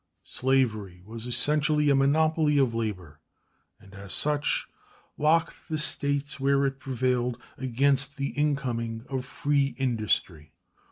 Slavery was essentially a monopoly of labor, and as such locked the States where it prevailed against the incoming of free industry.